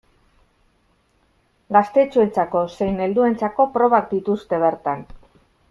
Gaztetxoentzako zein helduentzako probak dituzte bertan.